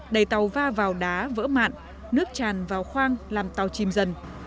đẩy tàu va vào đá vỡ mạn nước tràn vào khoang làm tàu chìm dần